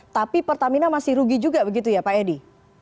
tapi pertamina masih rugi juga begitu ya pak edi